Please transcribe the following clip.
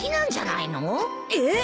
えっ？